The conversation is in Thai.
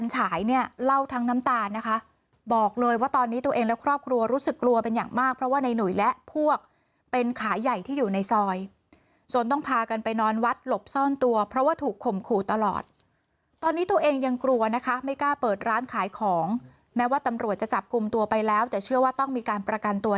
ฉายเนี่ยเล่าทั้งน้ำตานะคะบอกเลยว่าตอนนี้ตัวเองและครอบครัวรู้สึกกลัวเป็นอย่างมากเพราะว่าในหนุ่ยและพวกเป็นขายใหญ่ที่อยู่ในซอยจนต้องพากันไปนอนวัดหลบซ่อนตัวเพราะว่าถูกข่มขู่ตลอดตอนนี้ตัวเองยังกลัวนะคะไม่กล้าเปิดร้านขายของแม้ว่าตำรวจจะจับกลุ่มตัวไปแล้วแต่เชื่อว่าต้องมีการประกันตัว